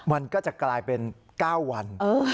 มันก็จะกลายเป็น๙วัน